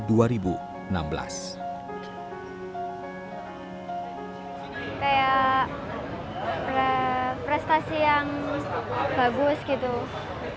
sahira memiliki kekuasaan yang sangat tinggi